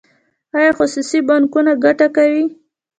آیا خصوصي بانکونه ګټه کوي؟